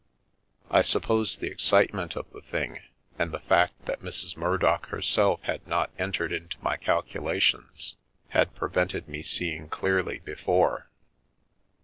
I suppose the excitement of the thing, and the fact that Mrs. Murdock herself had not entered into my calculations, had prevented me seeing clearly before.